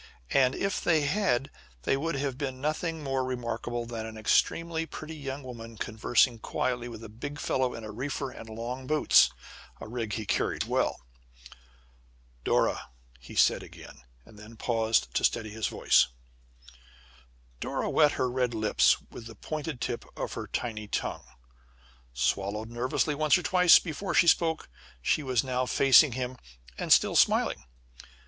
And, if they had, they would have seen nothing more remarkable than an extremely pretty young woman conversing quietly with a big fellow in a reefer and long boots a rig he carried well. "Dora!" he said again, and then had to pause to steady his voice. Dora wet her red lips with the pointed tip of her tiny tongue; swallowed nervously once or twice, before she spoke. She was now facing him, and still smiling.